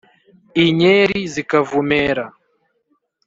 inyeri zikavumera,